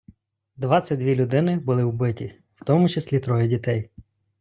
Двадцять дві людини були вбиті, в тому числі троє дітей.